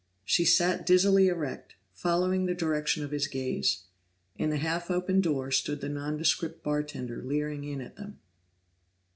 She sat dizzily erect, following the direction of his gaze. In the half open door stood the nondescript bartender leering in at them.